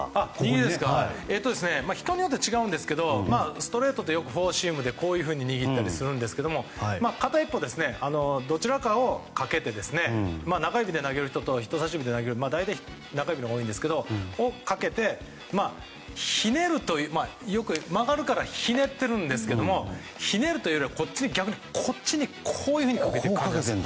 人によって違うんですがストレートはフォーシームでこういうふうに握ったりしますが片一方のどちらかをかけて中指で投げる人と人差し指で投げる人大体、中指のほうが多いんですが曲がるからひねっているんですがひねるというよりは逆にこっちに、こうかけていて。